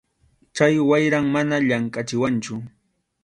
Chay wayram mana llamkʼachiwanchu.